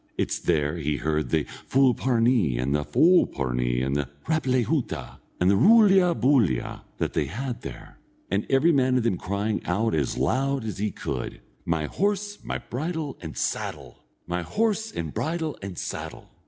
It's there he heard the fulparnee, and the folpornee, the rap lay hoota, and the roolya boolya, that they had there, and every man of them crying out as loud as he could: "My horse, and bridle, and saddle! My horse, and bridle, and saddle!"